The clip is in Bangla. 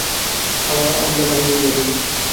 আমরা বাহির হইয়া পড়ি।